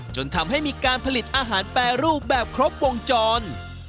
จนทำให้มีการผลิตอาหารแปรรูปแบบครบวงจร